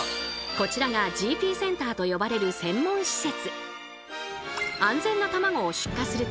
こちらがＧＰセンターと呼ばれる専門施設。